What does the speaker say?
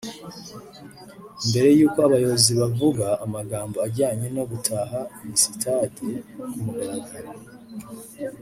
mbere y’uko abayobozi bavuga amagambo ajyanye no gutaha iyi sitade ku mugaragaro